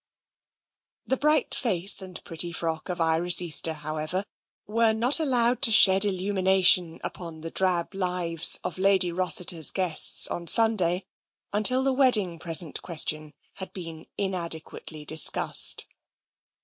The bright face and pretty frock of Iris Easter, how ever, were not allowed to shed illumination upon the drab lives of Lady Rossiter's guests on Sunday until TENSION 147 the wedding present question had been inadequately discussed.